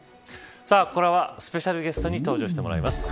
さあこの後はスペシャルゲストに登場してもらいます。